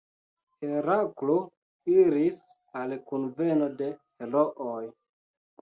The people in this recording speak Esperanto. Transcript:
Heraklo iris al kunveno de herooj.